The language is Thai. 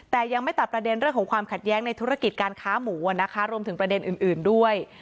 แต่ยังไม่ตัดประเด็นเรื่องของความขัดแย้งในธุรกิจการค้าหมูรวมถึงประเด็นอื่นด้วย